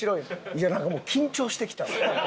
いやなんかもう緊張してきたわ。